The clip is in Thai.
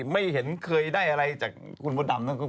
ไม่เห็นเคยได้อะไรจากคุณมดดำนะ